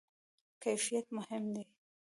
کیفیت مهم دی